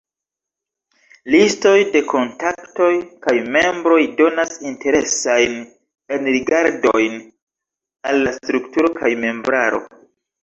Listoj de kontaktoj kaj membroj donas interesajn enrigardojn al la strukturo kaj membraro.